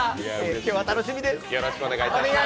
今日は楽しみです。